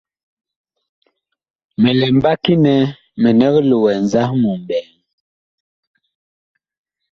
Mi lɛ mbaki nɛ minig loɛ nzahmu ɓɛɛŋ.